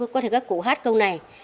có thể các cụ hát câu này